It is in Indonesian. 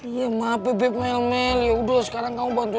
iya mah bebek melmel yaudah sekarang kamu bantu